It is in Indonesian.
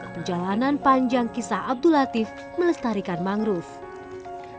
perjalanan panjang kisah abdul latif melestarikan mangrove